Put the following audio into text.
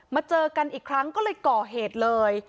เจอกันอีกครั้งก็เลยก่อเหตุเลย